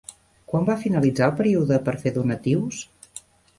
Quan va finalitzar el període per fer donatius?